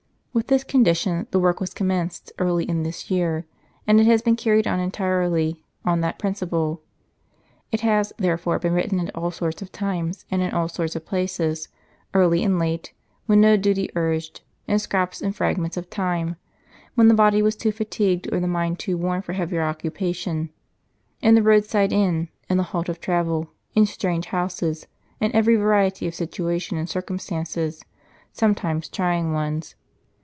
With this condition, the work was com menced early in this year ; and it has been carried on entirely on that principle. It has, therefore, been written at all sorts of times and in all sorts of places ; early and late, when no duty urged, in scraps and fragments of time, when the body was too fatigued or the mind too worn for heavier occupation ; in the road side inn, in the halt of travel, in strange houses, in every variety of situation and circumstances— sometimes try ing ones.